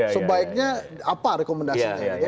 sebaiknya apa rekomendasinya